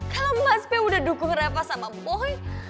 kalau mas b udah dukung reva sama boy